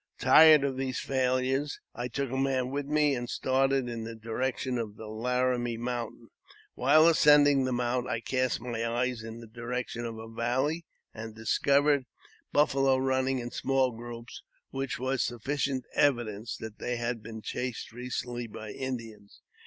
Tired of these failures, I took a man with me, and started in the direc tion of the Laramie mountain. While ascending the mount, I cast my eyes in the direction of a valley, and discovered buffalo running in small groups, which was sufiicient evidence &at they had been chased recently by Indians.